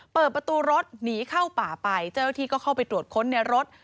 เปิดประตูรถหนีเข้าป่าไปเจ้าหน้าที่ก็เข้าไปตรวจค้นในรถ